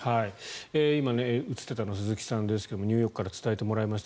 今、映っていたのは鈴木さんですがニューヨークから伝えてもらいました。